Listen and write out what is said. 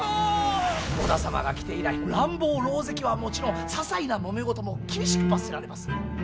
織田様が来て以来乱暴狼藉はもちろんささいなもめ事も厳しく罰せられます。